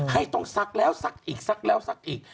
ให้ต้องซักแล้วซักอีกซักแล้วซักอีก